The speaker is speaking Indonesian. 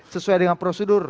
sesuai dengan prosedur